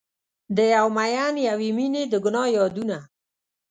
د یو میین یوې میینې د ګناه یادونه